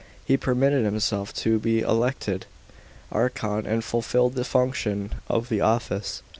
He permitted himself to be elected archon, and fulfilled the functions of the office.